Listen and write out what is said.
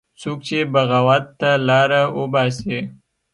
څوک چې بغاوت ته لاره وباسي